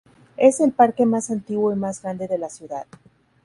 Es el parque más antiguo y más grande de la ciudad.